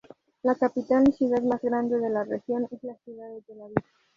La capital y ciudad más grande de la región es la ciudad de Telavi.